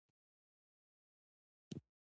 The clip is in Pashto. پارک په ډېر ښکلي موقعیت کې جوړ دی.